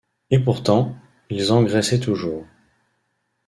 Et pourtant, il engraissait toujours!